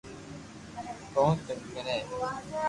ڪون تنگ ڪري